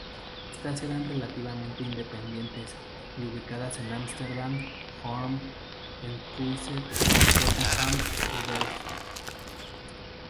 Estas eran relativamente independientes y ubicadas en Amsterdam, Hoorn, Enkhuizen, Rotterdam, y Delft.